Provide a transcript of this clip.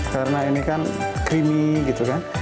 karena ini kan creamy gitu kan